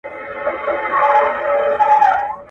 منبر به وي، بلال به وي، ږغ د آذان به نه وي.